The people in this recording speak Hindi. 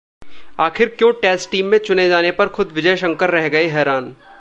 आखिर क्यों टेस्ट टीम में चुने जाने पर खुद विजय शंकर रह गए हैरान